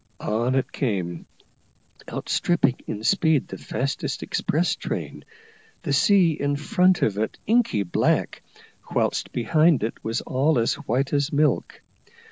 On it came, outstripping in speed the fastest express train, the sea in front of it inky black, whilst behind it was all as white as milk.